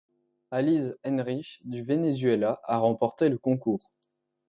Alyz Henrich du Venezuela a remporté le concours.